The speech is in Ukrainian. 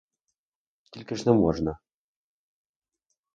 Тільки ж не можна.